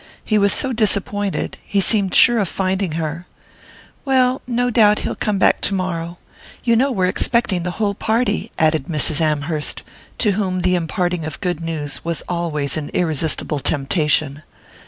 He was so disappointed he seemed sure of finding her." "Well, no doubt he'll come back tomorrow. You know we're expecting the whole party," added Mrs. Amherst, to whom the imparting of good news was always an irresistible temptation.